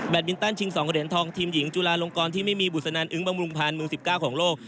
บินตันชิง๒เหรียญทองทีมหญิงจุลาลงกรที่ไม่มีบุษนันอึ้งบำรุงพันธ์มือ๑๙ของโลก